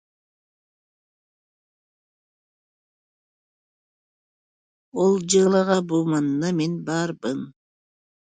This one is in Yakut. Ол дьыалаҕа бу манна мин баарбын